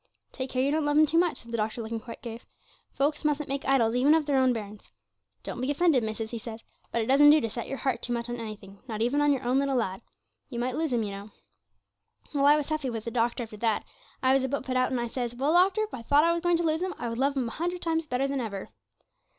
'"Take care you don't love him too much," says doctor, looking quite grave; "folks mustn't make idols even of their own bairns. Don't be offended, missis," he says, "but it doesn't do to set your heart too much on anything, not even on your own little lad: you might lose him, you know." 'Well, I was huffy with doctor after that; I was a bit put out, and I says, "Well, doctor, if I thought I was going to lose him I would love him a hundred times better than ever."